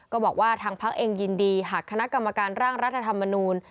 บอกว่าทางพักเองยินดีหากคณะกรรมการร่างรัฐธรรมนูล